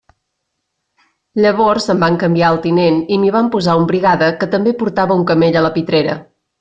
Llavors em van canviar el tinent i m'hi van posar un brigada que també portava un camell a la pitrera.